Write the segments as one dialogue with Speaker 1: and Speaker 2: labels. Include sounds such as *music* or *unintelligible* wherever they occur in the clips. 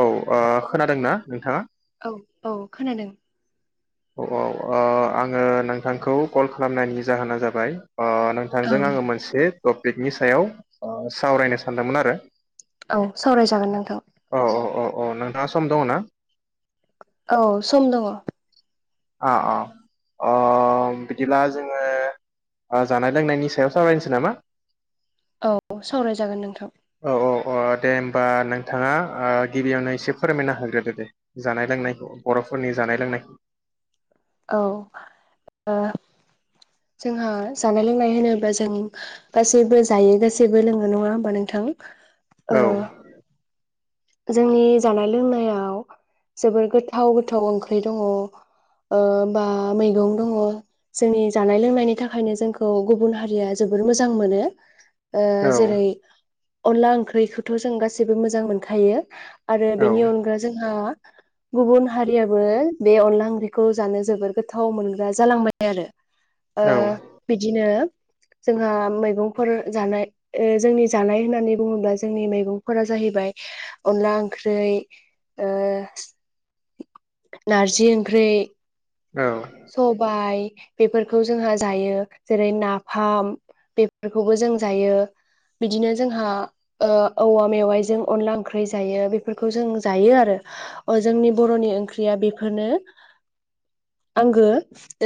Speaker 1: औ आ खोनादोंना नोंथाङा?
Speaker 2: औ औ खोनादों।
Speaker 1: औ अ आङो नोंथांखौ कल खालामनायनि जाहोना जाबाय ओ
Speaker 2: औ
Speaker 1: नोंथांजों आङो मोनसे टपिकनि सायाव सावरायनो सानदोंमोन आरो
Speaker 2: औ सावरायजागोन नोंथां।
Speaker 1: औ औ औ औ नोंथाङा सम दङ ना।
Speaker 2: औ सम दङ
Speaker 1: आ अ अ बिदिब्ला जोङो जानाय लोंनायनि सायाव सावरायनोसै नामा।
Speaker 2: औ सावरायजागोन नोंथां
Speaker 1: औ औ औ दे होमबा नोंथाङा अ गिबियावनो एसे फोरमायनो हाग्रोदो दे जानाय लोंनायखौ बर'फोरनि जानाय लोंनायखौ।
Speaker 2: औ ओ जोंहा जानाय लोंनाय होनोब्ला जों गासैबो जायो गासैबो लोङो नङा होमबा नोंथां औ जोंनि जानाय लोंनायाव जोबोर गोथाव गोथाव ओंख्रि दङ ओ बा मैगं दङ जोंनि जानाय लोंनायनि थाखायनो जोंखौ गुबुन हारिया जोबोर मोजां मोनो। ओ
Speaker 1: औ
Speaker 2: जेरै अनला ओंख्रिखौथ' जों गासिबो मोजां मोनखा थायो आरो
Speaker 1: औ
Speaker 2: बेनि अनगा जोंहा गुबुन हारियाबो बे अनला ओंख्रिखौ जानो जोबोर गोथाव मोनग्रा जालांबाय आरो। ओ
Speaker 1: औ
Speaker 2: बिदिनो जोंहा मैगंफोर जानाय जोंनि जानाय होननानै बुङोब्ला जोंनि मैगंफोरा जाहैबाय अनला ओंख्रि ओ नारजि ओंख्रि
Speaker 1: औ
Speaker 2: सबाय बेफोरखौ जोंहा जायो जेरै नाफाम बेफोरखौबो जों जायो बिदिनो जोंहा ओ औवा मेवाइजों अनला ओंख्रि जायो बेफोरखौ जों जायो आरो अ जोंनि बर'नि ओंख्रिया बेफोरनो। आंगो।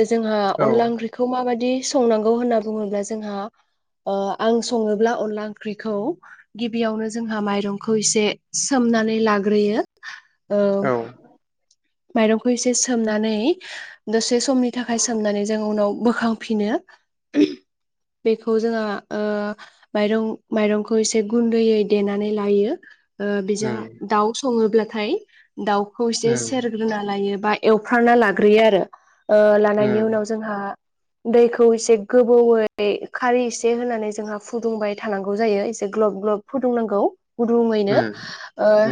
Speaker 2: जोंहा
Speaker 1: औ
Speaker 2: अनला ओंख्रिखौ माबायदि संनांगौ होनना बुङोब्ला जोंहा आं सङोब्ला अनला ओंख्रिखौ गिबियावनो जोंहा माइरंखौ इसे सोमनानै लाग्रोयो औ। माइरंखौ एसे सोमनानै दसे समनि थाखाय सोमनानै जों उनाव बोखांफिनो बेखौ जोंहा ओ माइरं माइरंखौ एसे गुन्दैयै देनानै लायो। ओ बेजों
Speaker 1: उम
Speaker 2: दाउ सङोब्ला थाय दाउखौ
Speaker 1: उम
Speaker 2: एसे *inaudible* बा एवफामना लाग्रोयो आरो। अ लानायनि
Speaker 1: उम
Speaker 2: उनाव जोंहा दैखौ एसे गोबौैयै खारै एसे होनानै जोंहा फुदुंबाय थानांगौ जायो एसे ग्लब ग्लब फुदुंनांगौ। फुदुङैनो
Speaker 1: उम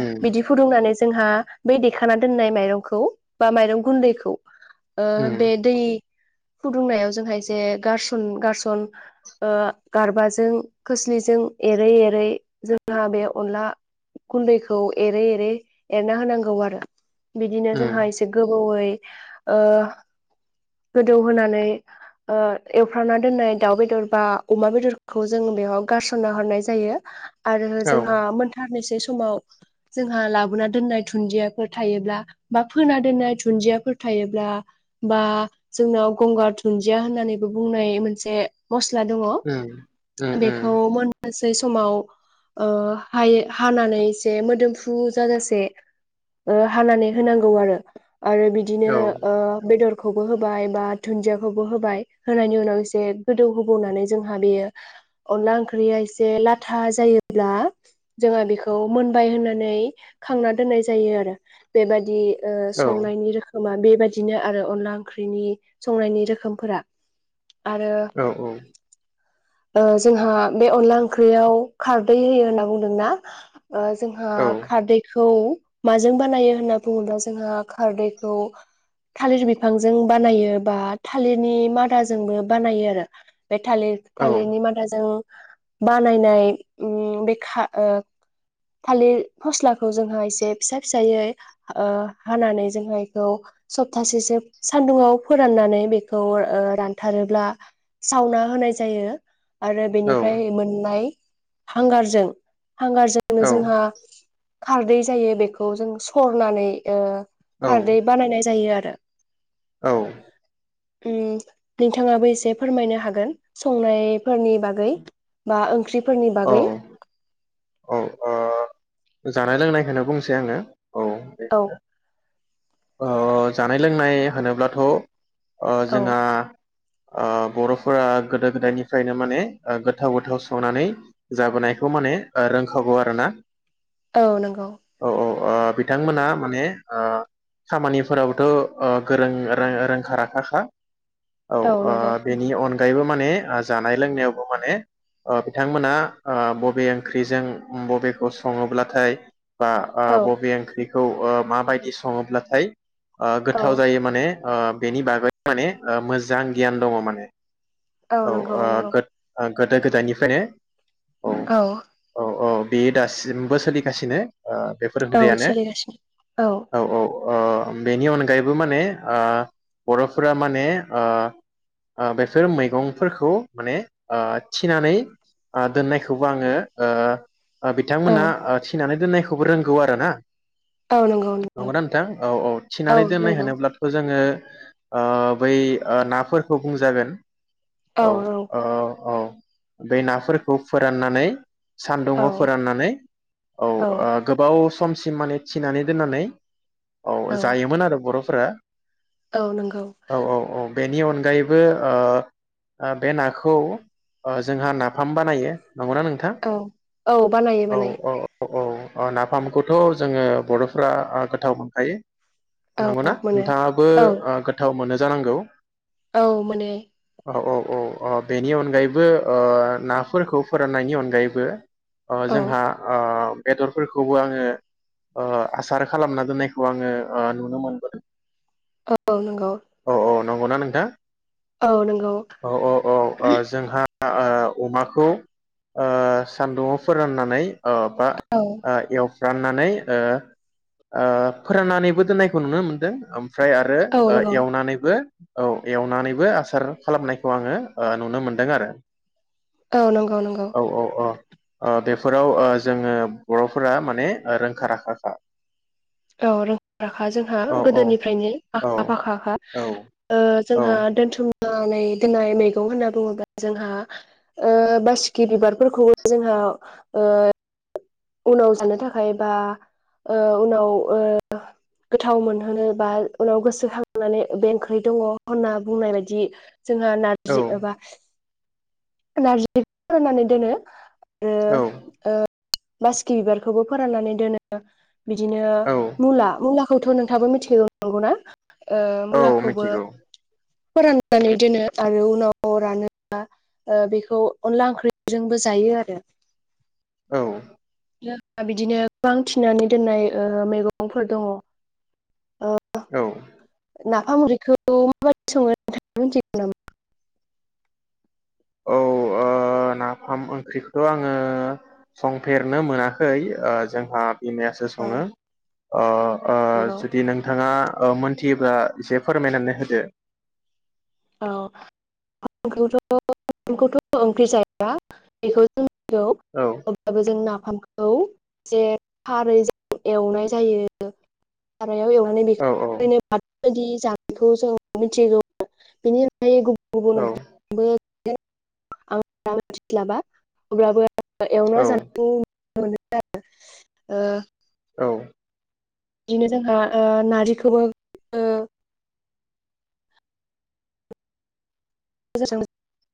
Speaker 1: उम
Speaker 2: बिदि फुदुंनानैसो जोंहा बै देखनानै दोननाय माइरंखौ बा माइरं गुन्दैखौ ओ
Speaker 1: उम
Speaker 2: बेे दै फुदुंनायाव जोंहा ऐसे गारसन- गारसन गारबाजों खोस्लिजों एरै- एरै जोंहा बे अनला गुन्दैखौ एरै -एरै एरना होनांगौ आरो। बिदिनो जोंहा
Speaker 1: उम
Speaker 2: एसे गोबावै अ गोदौहानै ओ एवफामना दोननाय दाउ बेदर बा अमा बेदरखौ जों बेयाव गारसनना हरनाय जायो। आरो
Speaker 1: औ
Speaker 2: जोंहा मोनथारनैसै समाव जोंहा लाबोना दोननाय दुन्दिया फोर थायोब्ला बा फोना दोननाय दुन्दियाफोर थायोब्ला बा जोंनाव गंगार दुन्दिया होननानैबो बुंनाय मोनसे मस्ला दंङ
Speaker 1: उम उम
Speaker 2: बेखौ
Speaker 1: उम
Speaker 2: मोननोसै सम समाव ओ हायि-हानानै जे मोदोमफ्रु जाजासे हानानै होनांगौ आरो। आरो बिदिनो
Speaker 1: औ
Speaker 2: बेदर खौबो होबाय बा दुन्दियाखौबो होबाय होनायनि उनाव एसे गोदौ होबावनानै जोंहा बेयो अनला ओंख्रिया एसे लाथा जायोब्ला जोंहा बेखौ मोनबाय होननानै खांना दोननाय जायो आरो। बेबायदि ओ
Speaker 1: औ
Speaker 2: संनायनि रोखोम खोमा बेबायदिनो आरो अनला ओंख्रिनि संनायनि रोखोमफोरा आरो
Speaker 1: औ औ
Speaker 2: जोंहा बे अनला ओंख्रियाव खारदै होयो होनना बुंदोंना जोंहा खारदैखौ माजों जों बानायो होनना बुङोब्ला जोंहा खारैखौ थालिर बिफांजों बानायो बा थालिरनि मादाजोंबो बानायो आरो बे थालिर
Speaker 1: औ
Speaker 2: थालिरनि मादाजों बानायनाय बे थालिर फस्लाखौ जोंहा एसे फिसा फिसायै ओ हानानै जोंहा बेखौ सप्तासेसो सानदुंआव फोराननानै बेखौ रानथारोब्ला सावना होनाय जायो आरो बेनिफ्राय मोननाय हांगारजों हांगारजोंनो जोंहा खारदै जायो बेखौ खौ जों सरनानै ओ खारदै बानायनाय जायो आरो *unintelligible*
Speaker 1: औ
Speaker 2: उम नोंथाङाबो एसे फोरमायनो हागोन संनायफोरनि बागै बा ओंख्रि फोरनि
Speaker 1: औ
Speaker 2: बागै
Speaker 1: औ ओ जानाय लोंनायखौनो बुंसै आंङो औ *inaudible*
Speaker 2: औ
Speaker 1: जानाय लोंनाय होनोब्लाथ'
Speaker 2: औ
Speaker 1: जोंहा बर'फोरा गोदो गोदायनिफ्रायनो माने गोथाव गोथाव संनानै जाबोनायखौ माने रोंखागौ आरोना।
Speaker 2: औ नंगौ।
Speaker 1: औ औ बिथांमोना माने खामानिफोराबोथ' गोरों रोंखा राखाखा। औ बेनि अनग अनगायैबो माने जानाय लोंनायावबो माने बिथांमोना बबे ओंख्रिजों बबेखौ सङोब्लाथाय बा
Speaker 2: औ
Speaker 1: बबे ओंख्रि खौ माबायदि सङोब्ला थाय
Speaker 2: औ
Speaker 1: गोथाव जायो माने बेनि बागै माने मोजां गियान दङ माने औ
Speaker 2: नंगौ
Speaker 1: ओ
Speaker 2: नंगौ
Speaker 1: गो गोदो गोदायनिफ्राय नो।
Speaker 2: औ।
Speaker 1: अ बियो दास। जमबो सोलिगासिनो ओ बेफोर
Speaker 2: औ
Speaker 1: हुदायानो
Speaker 2: सोलिगासिनो
Speaker 1: औ- औ-। अ बेनि अनगायैबो माने ओ बर'फोरा माने ओ ओ बेफोर ओ मैगंफोरखौ माने ओ थिनानै दोननायखौबो आङो ओ।
Speaker 2: औ
Speaker 1: बिथांमोना ओ थिनानै दोननाय। खौबो रोंगौ आरो ना।
Speaker 2: ओ नंगौ नंगौ।
Speaker 1: थां औ- औ- थिनानै दोननाय होनोब्लाथ' जोङो। ओ बै ओ नाफोरखौ बुंजागोन। औ औ औ-। बे नाफोरखौ फोराननानै। सान दङ
Speaker 2: औ
Speaker 1: फोराननानै औ ओ गोबाव स समसिम माने थिनानै दोननानै। औ जायोमोन आरो बर'। फोरा।
Speaker 2: औ नंगौ।
Speaker 1: बेनि अनगायैबो ओ ओ बे नाखौ ओ जोंहा नाफाम बानायो। नंगौना नोंथां
Speaker 2: औ औ बानायो
Speaker 1: औ
Speaker 2: बानायो।
Speaker 1: औ औ औ नाफामखौथ' जोङो बर'फोरा। गोथाव मोनखायो। नंगौ
Speaker 2: औ
Speaker 1: ना?
Speaker 2: मोनो
Speaker 1: नोंथाङाबो
Speaker 2: औ
Speaker 1: ओ गोथाव मोनो जानांगौ।
Speaker 2: औ मोनो।
Speaker 1: औ औ अ बेनि अनगायैबो ओ नाफोरखौ फोराननायनि अनगायैबो अ
Speaker 2: औ
Speaker 1: जोंहा अ बेदरफोरखौबो आङो ओ आसार खालामना दोननायखौ आङो ओ नुनो मोनदों।
Speaker 2: औ नंगौ।
Speaker 1: नंगौ ना नोंथां?
Speaker 2: औ नंगौ।
Speaker 1: औ औ औ जोंहा ओ ओ अमाखौ ओ सान्दुंङाव फोराननानै ओ बा
Speaker 2: औ
Speaker 1: ओ इयाव राननानै ओ ओ फोराननानैबो दोननायखौ नुनो मोन्दों ओम फ्राय आरो
Speaker 2: औ
Speaker 1: ओ
Speaker 2: नंगौ
Speaker 1: एवनानैबो औ एवनानैबो आसार खालामनायखौ आङो ओ नुनो मोनदों आरो
Speaker 2: औ नंगौ नंगौ
Speaker 1: औ औ अ। ओ बे फोराव ओ जोङो बर'फोरा माने ओ रोंखा राखाखा।
Speaker 2: औ रोंखा राखा जोंहा
Speaker 1: औ औ
Speaker 2: गोदोनिफ्रायनो
Speaker 1: औ
Speaker 2: आखा फाखाखा
Speaker 1: औ
Speaker 2: ओ जोंहा दोनथुम नानै दोननाय मैगं होनना बुङोब्ला जोंहा ओ बासिकि बिबारफोरखौबो जोंहा ओ उनाव जानो थाखाय बा ओ उनाव ओ गोथाव मोनहोनो बा उनाव गोसोखांनानै बे ओंख्रै दङ' होनना बुंनाय बाददि जोंहा नारजि
Speaker 1: औ
Speaker 2: एबा नारजि फोराननानै दोनो।
Speaker 1: औ।
Speaker 2: बासिकि बिबारखौबो फोराननानै दोनो। बिदिनो
Speaker 1: औ
Speaker 2: मुला मुला खौथ' नोंथाङाबो मिथिखागौ। नंगौ ना? ओ
Speaker 1: औ
Speaker 2: मुलाखौबो
Speaker 1: मिथिगौ
Speaker 2: फोराननानै दोनो आरो उनाव रानोबा ओ बेखौ अनला ओंख्रिजोंबो जायो आरो
Speaker 1: औ।
Speaker 2: जोंहा बिदिनो गोबां थिनानै दोन्नाय ओ मैगंफोर दङ'। ओ
Speaker 1: औ।
Speaker 2: नाफाम मुरैखौ माबादि सङो नोंथाङा मिथिगौ नामा?
Speaker 1: औ ओ नाफाम ओंख्रिखो आङो संफेरनो मोनाखै। ओ जोंहा बिमायासो
Speaker 2: ओ
Speaker 1: सङो अ ओ
Speaker 2: नंगौ
Speaker 1: जुदि नोंथाङा ओ मोनथियोब्ला एसे फोरमायनानै होदो।
Speaker 2: *unintelligible* औ
Speaker 1: औ
Speaker 2: अब्लाबो जों नाफामखौ खौ जे खारैजों एवनाय जायो मायाव एवनानै बेखौ
Speaker 1: औ
Speaker 2: ओरैनो बाथोन बेबायदि जानायखौ जों मिथिगौ बिनि अनगायै गुबुन गुबुन
Speaker 1: औ
Speaker 2: ओंख्रिबो *unintelligible* एवना
Speaker 1: औ
Speaker 2: जानायखौ *unintelligible*
Speaker 1: औ
Speaker 2: बिदिनो जोंहा ओ नारजिखौबो ओ *unintelligible*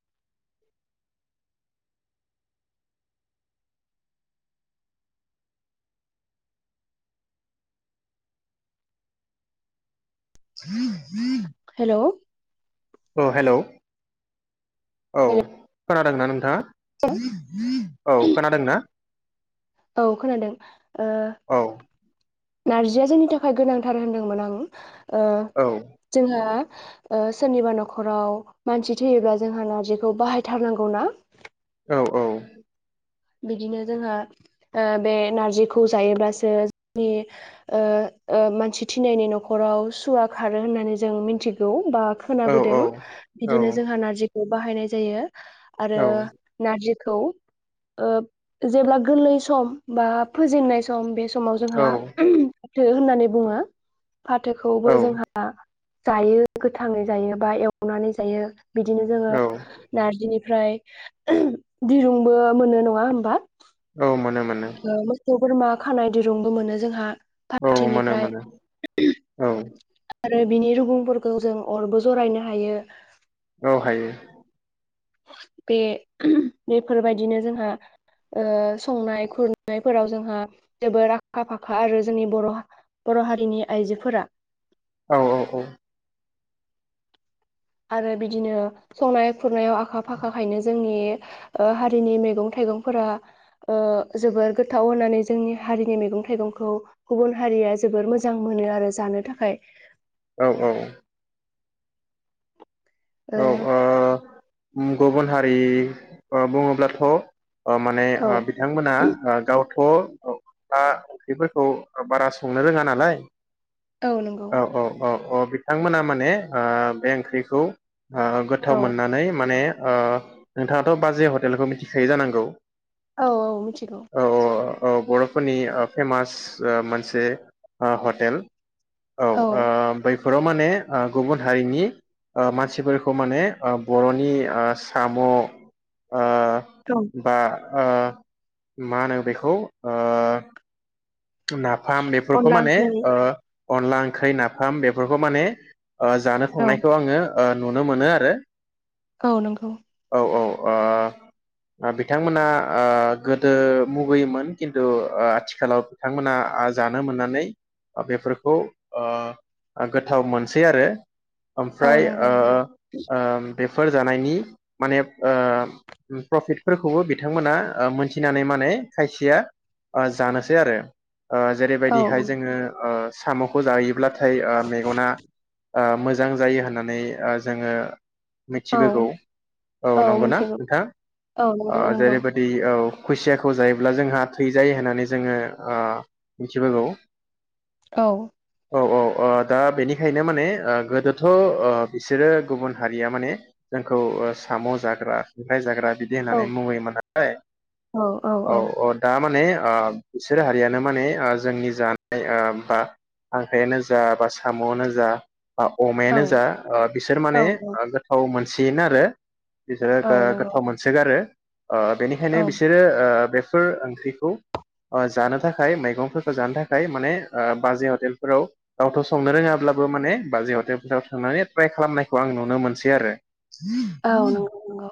Speaker 2: हेल'
Speaker 1: अ हेलौ औ खोनादोंना नोंथाङा औ खोनादों ना
Speaker 2: औ खोनादों ओ
Speaker 1: औ
Speaker 2: नारजिया जोंनि थाखाय गोनांथार होनदोंमोन आं ओ
Speaker 1: औ
Speaker 2: जोंहा ओ सोरनिबा न'खराव मानसि थैयोब्ला जोंहा नारजिखौ बाहायथारनांगौना
Speaker 1: औ औ
Speaker 2: बिदिनो जोंहा ओ बे नारजिखौ जायोब्लासो जोंनि ओ ओ मानसि थिनायनि न'खराव सुवा खारो होननानै जों मिथिगौ बा
Speaker 1: औ
Speaker 2: खोनाबोदों
Speaker 1: औ
Speaker 2: बिदिनो जोंहा नारजि खौ बाहायनाय जायो आरो
Speaker 1: औ
Speaker 2: नारजि खौ ओ जेब्ला गोरलै सम बा फोजेननाय सम बे सम समाव
Speaker 1: औ
Speaker 2: जोंहा थो होननानै बुङो फाथोखौबो जोंहा जायो गोथाङै जायो बा एवनानै जायो। बिदिनो जोङो
Speaker 1: औ
Speaker 2: नारजिनि फ्राय दिरुंबो मोनो नङा होनबा
Speaker 1: औ मोनो मोनो
Speaker 2: ओ मोसौ बोरमा खानाय दिरुंबो मोनो जोंहा
Speaker 1: औ मोनो
Speaker 2: फाथोनिफ्राय
Speaker 1: मोनो औ
Speaker 2: आरो बिनि रुगुंफोरखौ जों अरबो जरायनो हायो।
Speaker 1: औ हायो।
Speaker 2: बे बेफोरबायदिनो जोंहा ओ संनाय खुरनायफोराव जोंहा जोबोर आखा फाखा आरो जोंनि बर' बर' हारिनि आइजोफोरा
Speaker 1: औ औ औ
Speaker 2: आरो बिदिनो संनाय खुरनायाव आखा फाखाखायनो जोंनि ओ हारिनि मैगं थाइगंफोरा ओ जोबोर गोथाव होननानै जोंनि हारिनि मैगं थाइगंखौ गुबुन हारिया जोबोर मोजां मोनो आरो जानो थाखाय
Speaker 1: औ औ औ ओ ओम गुबुन हारि बुङोब्लाथ' ओ माने ओ बिथांमोना ओ गाव *unintelligible* ओंख्रिफोरखौ बारा संनो रोङा नालाय
Speaker 2: औ नंगौ
Speaker 1: औ औ औ औ बिथांमोना माने ओ बे ओंख्रिखौ ओ गोथाव
Speaker 2: औ
Speaker 1: मोननानै माने ओ नोंथाङाथ' बाजै हटेलखौ मिथिखायो जानांगौ
Speaker 2: औ औ मिथिगौ
Speaker 1: औ औ बर'फोरनि ओ फेमास ओ मोनसे ओ हटेल। औ
Speaker 2: औ
Speaker 1: ओ बै बेफोराव माने ओ गुबुन हारिनि ओ मानसि बेफोरखौ माने ओ बर'नि ओ साम' ओ
Speaker 2: औ
Speaker 1: बा ओ मा होनो बेखौ ओ नाफाम बेफोरखौ
Speaker 2: अनला
Speaker 1: माने
Speaker 2: ओंख्रै
Speaker 1: ओ अनला ओंख्रै नाफाम बेफोरखौ माने जानो
Speaker 2: औ
Speaker 1: थांनायखौ आङो ओ नुनो मोनो आरो
Speaker 2: औ नंगौ
Speaker 1: औ औ ओ दा बिथांमोना ओ गोदो मुगैयोमोन खिन्थु ओ आथिखालाव बिथांमोना ओ जानो मोननानै बेफोरखौ ओ गोथाव मोनसै आरो।
Speaker 2: औ
Speaker 1: ओमफ्राय
Speaker 2: नंगौ
Speaker 1: ओ
Speaker 2: नंगौ
Speaker 1: ओम बेफोर जानायनि माने ओ प्रफिटफोरखौबो बिथांमोना मोनथिनानै माने खायसेया ओ जानोसै आरो ओ
Speaker 2: औ
Speaker 1: जेरैबायदिहाय जोङो ओ साम'खौ जायो ब्लाथाय ओ मेगना ओ मोजां जायो होननानै ओ जोङो
Speaker 2: औ
Speaker 1: मिथिबोगौ औ नंगौना नोंथां?
Speaker 2: औ नंगौ नंगौ
Speaker 1: जेरैबायदि औ खुसियाखौ जायोब्ला जोंहा थैजायो होननानै जोङो ओ मिथिबोगौ।
Speaker 2: औ।
Speaker 1: औ औ दा बेनिखायनो माने ओ गोदोथ' ओ बिसोरो गुबुन हारिया माने जोंखौ ओ साम' जाग्रा खांख्राय जाग्रा बिदि
Speaker 2: औ
Speaker 1: होननानै मुगैयोमोन नालाय औ औ दा माने ओब बिसोर हारियानो माने जोंनि जानाय ओ बा खांख्रायानो जा बा साम'आनो जा
Speaker 2: औ
Speaker 1: अमायानो जा बिसोर
Speaker 2: औ
Speaker 1: माने गोथाव मोन सिनो आरो बिसोरो
Speaker 2: औ
Speaker 1: गो
Speaker 2: नंगौ
Speaker 1: गोथाव मोनसोगारो। ओ बेनिखायनो
Speaker 2: औ
Speaker 1: बिसोरो ओ बेफ फोर ओंख्रिखौ जानो थाखाय मैगंफोरखौ जानो थाखाय माने बाजै हटेलफोराव गावथ' संनो रोङाब्लाबो माने बाजै हटेलफोराव थांनानै ट्राय खालामनायखौ आं नुनो मोनसै आरो
Speaker 2: औ नंगौ नंगौ।